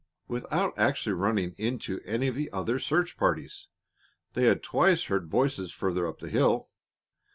Without actually running into any of the other searching parties, they had twice heard voices farther up the hill.